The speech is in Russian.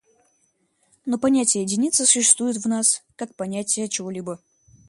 Но понятие единицы существует в нас, как понятие чего-либо.